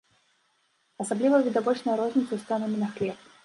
Асабліва відавочная розніца з цэнамі на хлеб.